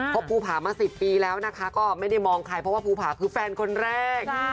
ภูผามา๑๐ปีแล้วนะคะก็ไม่ได้มองใครเพราะว่าภูผาคือแฟนคนแรก